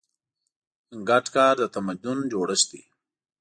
ګډ کار د تمدن جوړښت دی.